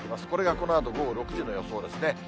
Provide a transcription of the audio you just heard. これがこのあと午後６時の予想ですね。